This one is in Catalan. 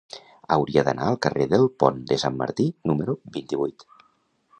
Hauria d'anar al carrer del Pont de Sant Martí número vint-i-vuit.